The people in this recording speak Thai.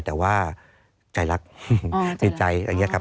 แต่ว่าใจรักจิตใจอย่างนี้ครับ